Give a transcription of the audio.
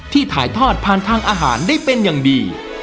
ถ่ายทอดผ่านทางอาหารได้เป็นอย่างดี